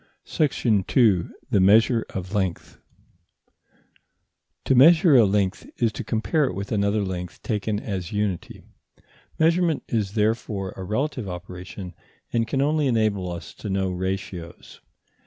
§ 2. THE MEASURE OF LENGTH To measure a length is to compare it with another length taken as unity. Measurement is therefore a relative operation, and can only enable us to know ratios.